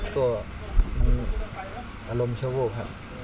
ก็มันอารมณ์ชั่ววูบครับ